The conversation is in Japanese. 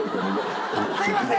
すいません！